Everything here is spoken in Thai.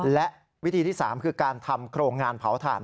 และวิธีที่๓คือการทำโครงงานเผาถ่าน